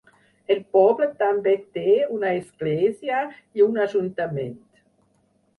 El poble també té una església i un ajuntament.